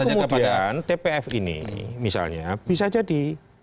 nah kemudian tpf ini misalnya bisa jadi